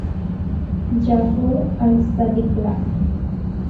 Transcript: জাফর আল-সাদিক রা।